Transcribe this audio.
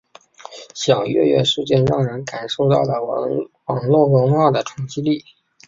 小月月事件让人感受到了网络文化的冲击力。